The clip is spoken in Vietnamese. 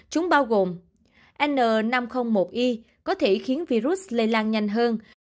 chúng bao gồm n năm trăm linh một i có thể khiến virus lây lan nhanh hơn